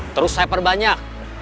terus saya perbanyak